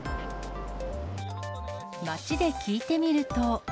街で聞いてみると。